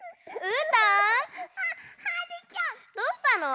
えどうしたの？